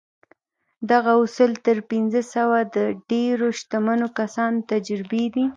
دغه اصول تر پينځه سوه د ډېرو شتمنو کسانو تجربې دي.